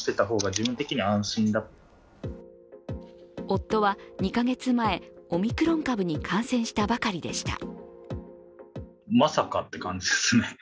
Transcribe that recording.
夫は２カ月前、オミクロン株に感染したばかりでした。